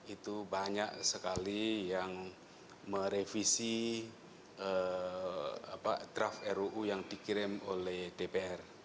itu banyak sekali yang merevisi draft ruu yang dikirim oleh dpr